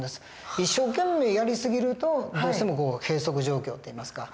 一生懸命やり過ぎるとどうしても閉塞状況っていいますか。